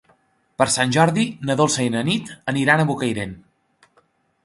Per Sant Jordi na Dolça i na Nit aniran a Bocairent.